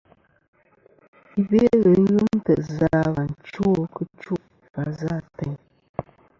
I Belo i ghɨ ntè' zɨ a và chwo kitchu va zɨ a teyn.